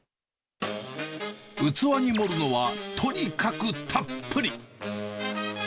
器に盛るのは、とにかくたっぷり。